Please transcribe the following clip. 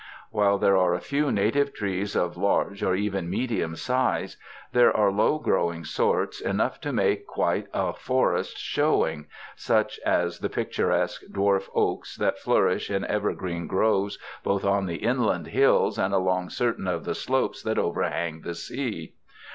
While there are few native trees of large or even medium size, there are low growing sorts enough to make quite a forest showing, such as the picturesque dwarf oaks that flourish in ever green groves both on the inland hillsides and along certain of the slopes that overhang the sea.